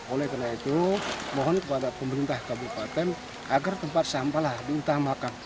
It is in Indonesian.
oleh karena itu mohon kepada pemerintah kabupaten agar tempat sampah lah diutamakan